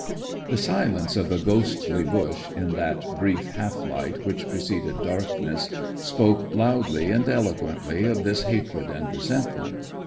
The silence of the ghostly bush, in that brief half light which preceded darkness, spoke loudly and eloquently of this hatred and resentment.